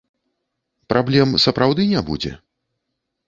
Праблем сапраўды не будзе?